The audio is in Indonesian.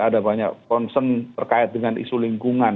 ada banyak concern terkait dengan isu lingkungan